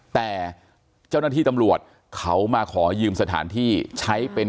แต่เจ้าหน้าที่ตำรวจเขามาขอยืมสถานที่ใช้เป็น